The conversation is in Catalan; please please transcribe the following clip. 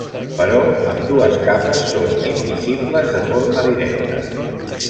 Però ambdues capes són invisibles de forma directa.